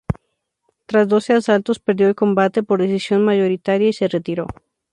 Tras doce asaltos perdió el combate por decisión mayoritaria y se retiró.